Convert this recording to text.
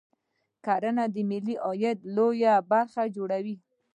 کرنه د ملي عاید لویه برخه جوړوي